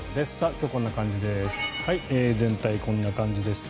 今日はこんな感じです。